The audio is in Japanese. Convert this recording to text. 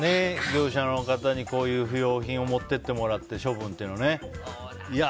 業者の方に不用品を持っていってもらって処分っていうのはね。